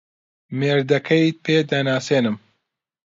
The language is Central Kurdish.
مێردەکەیت پێ دەناسێنم.